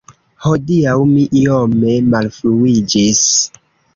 Hodiaŭ mi iome malfruiĝis.